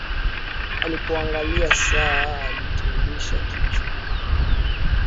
Alipoangalia saa alitingisha kichwa